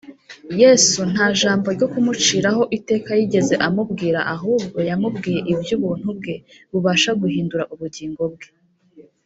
Yesu nta jambo ryo kumuciraho iteka yigeze amubwira, ahubwo yamubwiye iby’Ubuntu bwe, bubasha guhindura ubugingo bwe